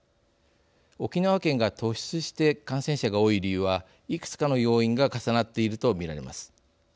沖縄県が突出して感染者が多い理由はいくつかの要因が重なっていると見られます。